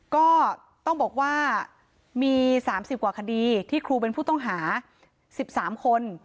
ก็ต้องบอกว่ามีสามสิบกว่าคดีที่ครูเป็นผู้ต้องหาสิบสามคน